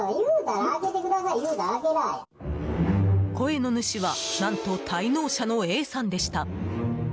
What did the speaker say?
声の主は何と滞納者のＡさんでした。